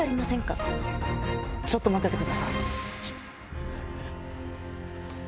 ちょっと待っててください。